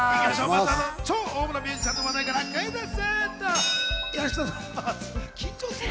超大物ミュージシャンの話題からクイズッス。